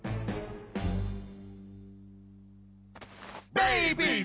ベイビーズ！